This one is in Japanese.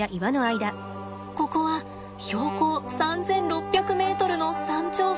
ここは標高３，６００ｍの山頂付近です。